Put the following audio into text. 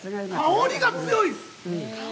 香りが強い！